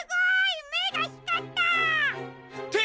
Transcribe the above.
めがひかった！って！